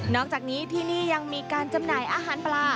อกจากนี้ที่นี่ยังมีการจำหน่ายอาหารปลา